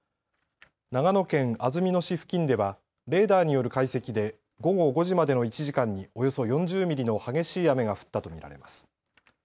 長野県安曇野市付近ではレーダーによる解析で午後５時までの１時間におよそ４０ミリの激しい雨が降ったと見られます。